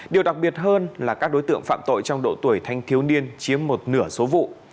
điều đặc biệt hơn là các đối tượng phạm tội trong độ tuổi thanh thiếu niên chiếm một nửa số vụ